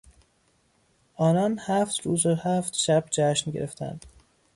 آنان هفت روز و هفت شب جشن گرفتند.